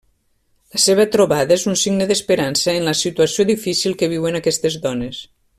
La seva trobada és un signe d'esperança en la situació difícil que viuen aquestes dones.